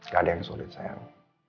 gak ada yang sulit saya